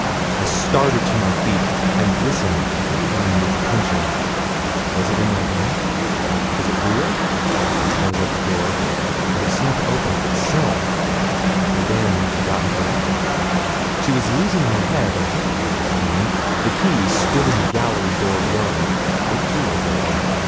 I started to my feet; I listened, quivering with attention. Was it in my brain? was it real? I was at the door, and it seemed to open of itself. Madame had forgotten to lock it; she was losing her head a little by this time. The key stood in the gallery door beyond; it too, was open.